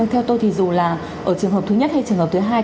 theo tôi thì dù là ở trường hợp thứ nhất hay trường hợp thứ hai